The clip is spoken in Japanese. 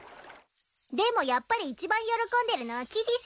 でもやっぱり一番喜んでるのは木でぃしょう。